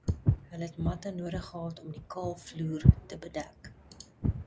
Hulle het matte nodig gehad om die kaal vloer te bedek.